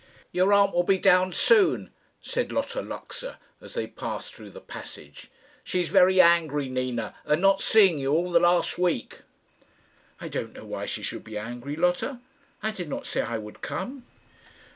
"Your aunt will be down soon," said Lotta Luxa as they passed through the passage. "She is very angry, Nina, at not seeing you all the last week." "I don't know why she should be angry, Lotta. I did not say I would come."